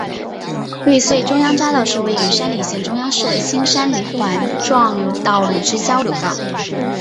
玉穗中央匝道是位于山梨县中央市的新山梨环状道路之交流道。